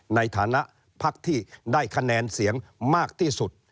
ในฐานะพักที่ได้คะแนนเสียงมากที่สุด